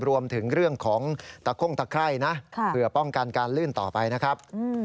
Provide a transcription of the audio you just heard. รวมถึงเรื่องของตะโค้งตะไคร่นะเผื่อป้องกันการลื่นต่อไปนะครับ